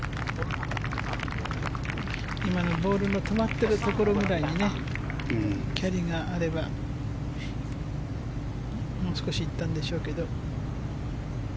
今のボールの止まっているところぐらいにキャリーがあればもう少し行ったんでしょうけど。